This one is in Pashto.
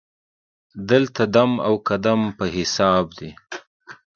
دلته دم او قدم په حساب دی.